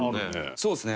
そうっすね。